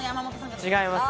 違いますね。